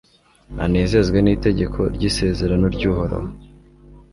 anezezwe n'itegeko ry'isezerano ry'uhoraho